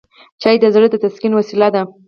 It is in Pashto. چای د زړه د تسکین وسیله ده